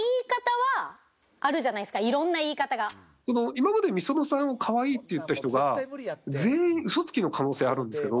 今までｍｉｓｏｎｏさんを可愛いって言った人が全員嘘つきの可能性あるんですけど。